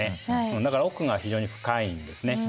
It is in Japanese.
だから奥が非常に深いんですね。